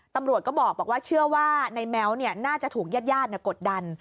ตำรวจก็บอกว่าเชื่อว่าในแม้วน่าจะถูกญาติกดดัน